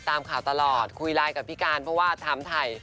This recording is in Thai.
ไปตามข่าวตลอดคุยไลน์กับพี่กานเพราะว่าทำไทย